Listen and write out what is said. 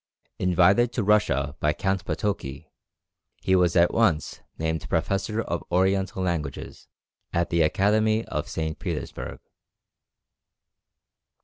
Invited to Russia by Count Potoki, he was at once named Professor of Oriental Languages at the Academy of St. Petersburg.